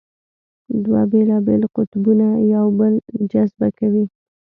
دوه بېلابېل قطبونه یو بل جذبه کوي.